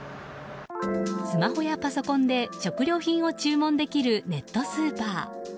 スマホやパソコンで食料品を注文できるネットスーパー。